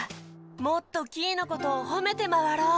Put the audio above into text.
もっとキイのことをほめてまわろう！